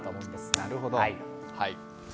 なるほど！